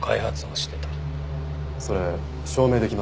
それ証明できますか？